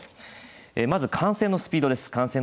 まず、感染のスピードです。